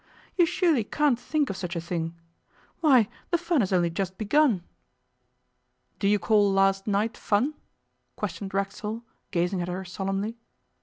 'You surely can't think of such a thing. Why, the fun has only just begun.' 'Do you call last night fun?' questioned Racksole, gazing at her solemnly.